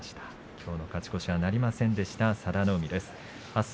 きょうの勝ち越しはなりませんでした佐田の海です。